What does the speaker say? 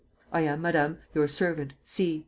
I am, Madame, your servant, C.